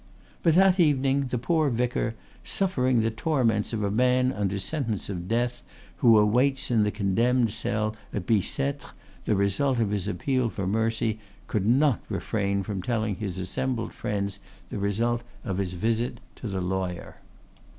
But that evening the poor vicar, suffering the torments of a man under sentence of death who awaits in the condemned cell at Bicetre the result of his appeal for mercy, could not refrain from telling his assembled friends the result of his visit to the lawyer.